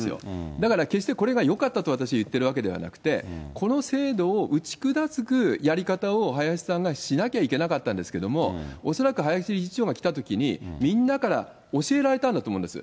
だから、決してこれがよかったと私言ってるわけではなくて、この制度を打ち砕くやり方を林さんがしなきゃいけなかったんですけれども、恐らく林理事長が来たときに、みんなから教えられたんだと思います。